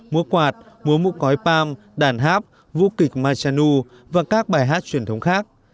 múa quạt múa mũ cói palm đàn háp vũ kịch machanu và các bài hát truyền thống khác